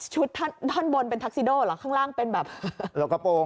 ชุดท่อนบนเป็นทักซิโดหรอข้างล่างเป็นแบบ